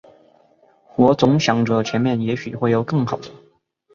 我总想着前面也许会有更好的